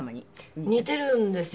似てるんですよ。